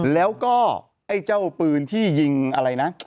แล้วก็ไอ้เจ้าปืนที่ยิงอะไรนะ